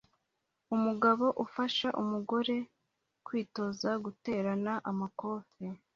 Umugabo ufasha umugore kwitoza guterana amakofe